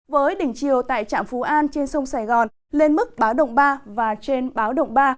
với đỉnh chiều tại trạm phú an trên sông sài gòn lên mức báo động ba và trên báo động ba